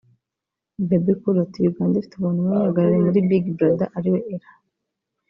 Bebe Cool ati “Uganda ifite umuntu umwe uyihagarariye muri Big Brother ari we Ellah